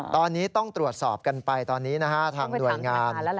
ตอนนี้ต้องตรวจสอบกันไปตอนนี้นะฮะทางหน่วยงาน